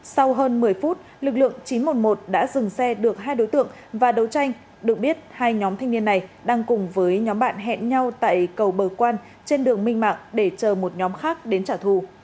sau hơn một mươi phút lực lượng chín trăm một mươi một đã dừng xe được hai đối tượng và đấu tranh được biết hai nhóm thanh niên này đang cùng với nhóm bạn hẹn nhau tại cầu bờ quan trên đường minh mạng để chờ một nhóm khác đến trả thù